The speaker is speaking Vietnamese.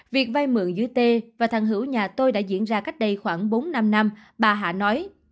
việc vay mượn dưới tê và thần hữu nhà tôi đã diễn ra cách đây khoảng bốn năm năm bà hạ nói